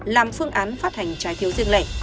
làm phương án phát hành trái phiếu riêng lẻ